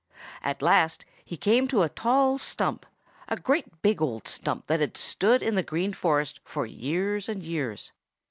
At last he came to a tall stump, a great big old stump that had stood in the Green Forest for years and years.